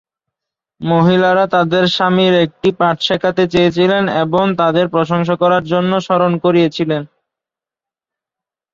মহিলারা তাদের স্বামীর একটি পাঠ শেখাতে চেয়েছিলেন এবং তাদের প্রশংসা করার জন্য স্মরণ করিয়েছিলেন।